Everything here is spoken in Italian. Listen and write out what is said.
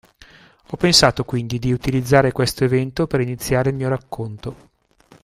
Ho pensato quindi di utilizzare questo evento per iniziare il mio racconto.